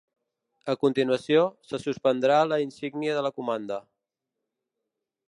A continuació, se suspendrà la insígnia de la comanda.